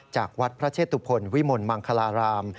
จากวัดพระเชตุพลวิมลมังคลาราม